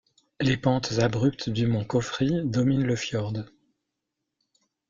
Les pentes abruptes du mont Kofri dominent le fjord.